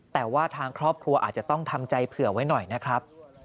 แต่ว่าทางครอบครัวอาจจะต้องทำใจเผื่อไว้หน่อยนะครับ